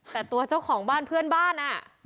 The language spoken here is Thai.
แต่ตัวเจ้าของบ้านเพื่อนบ้านอ่ะ